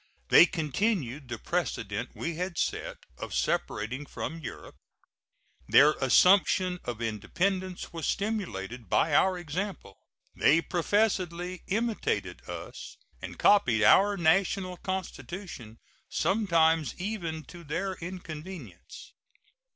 They continued the precedent we had set, of separating from Europe. Their assumption of independence was stimulated by our example. They professedly imitated us, and copied our National Constitution, sometimes even to their inconvenience.